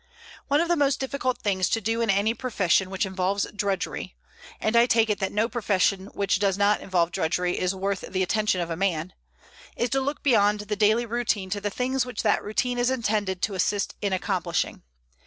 One of the most difficult things to do in any profession which involves drudgery (and I take it that no profession which does not involve drudgery is worth the attention of a man) is to look beyond the daily routine to the things which that routine is intended to assist in accomplishing.